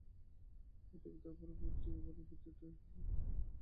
তাই টিভিতে ওভারের প্রতিটি বলের পরই একটা করে বিজ্ঞাপন দেওয়া যায়।